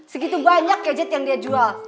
segitu banyak gadget yang dia jual